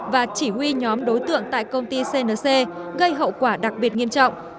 và chỉ huy nhóm đối tượng tại công ty cnc gây hậu quả đặc biệt nghiêm trọng